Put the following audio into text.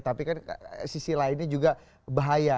tapi kan sisi lainnya juga bahaya